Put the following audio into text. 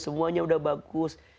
semuanya udah bagus